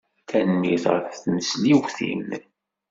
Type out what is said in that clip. Tanemmirt ɣef tmesliwt-im.